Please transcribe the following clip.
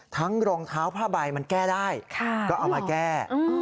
รองเท้าผ้าใบมันแก้ได้ก็เอามาแก้